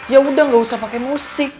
ya udah gak usah pakai musik